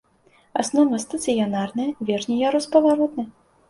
Аснова стацыянарная, верхні ярус паваротны.